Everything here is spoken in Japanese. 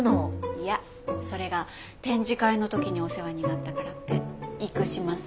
いやそれが展示会の時にお世話になったからって生島さんが。